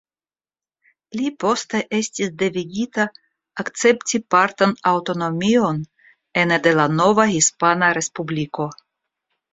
Li poste estis devigita akcepti partan aŭtonomion ene de la nova Hispana Respubliko.